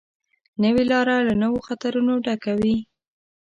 نوې لاره له نویو خطرونو ډکه وي